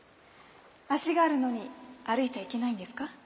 足があるのに歩いちゃいけないんですか？